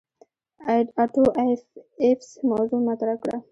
آټو ایفز موضوغ مطرح کړه.